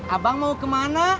abang mau kemana